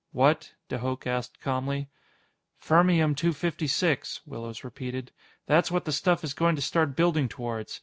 "What?" de Hooch asked calmly. "Fermium 256," Willows repeated. "That's what the stuff is going to start building towards.